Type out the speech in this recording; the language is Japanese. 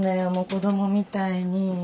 子供みたいに。